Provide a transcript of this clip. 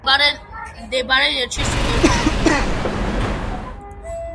მდებარეობდა ნერჩის ოლქში.